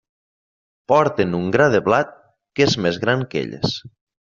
Porten un gra de blat que és més gran que elles.